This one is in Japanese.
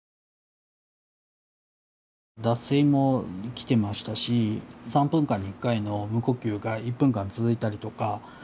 脱水もきてましたし３分間に１回の無呼吸が１分間続いたりとか。